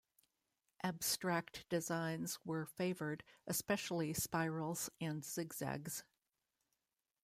Abstract designs were favoured, especially spirals and zig-zags.